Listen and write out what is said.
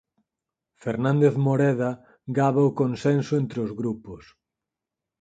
Fernández Moreda gaba o consenso entre os grupos